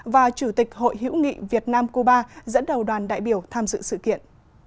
và chủ tịch hội hiểu nghị việt nam cuba dẫn đầu đoàn đại biểu tham dự sự kiện